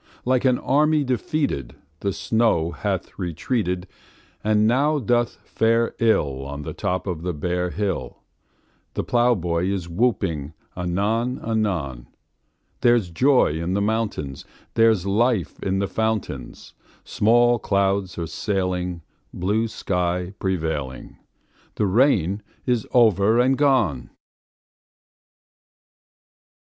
Like an army defeated The snow hath retreated, And now doth fare ill On the top of the bare hill; The plowboy is whooping anon anon: There's joy in the mountains; There's life in the fountains; Small clouds are sailing, Blue sky prevailing; The rain is over and gone!